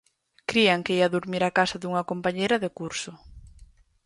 Crían que ía durmir á casa dunha compañeira de curso.